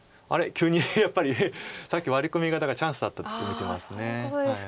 急にやっぱりさっきワリコミがだからチャンスだったと見てます。